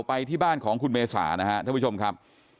ไปที่บ้านของคุณเมษานะครับท่านผู้ชมครับ